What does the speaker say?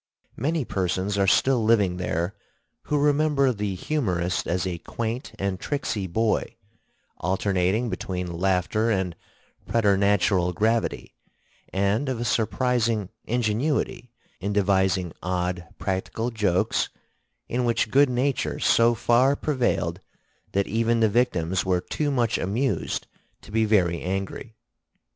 Many persons are still living there who remember the humorist as a quaint and tricksy boy, alternating between laughter and preternatural gravity, and of a surprising ingenuity in devising odd practical jokes in which good nature so far prevailed that even the victims were too much amused to be very angry.